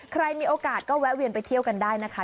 ใครมีโอกาสก็แวะเวียนไปเที่ยวกันได้นะคะ